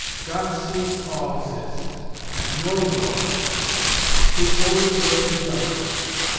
Got sees all sis, ant knows all sis. His holy will be done!